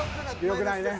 よくないね。